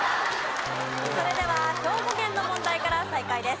それでは兵庫県の問題から再開です。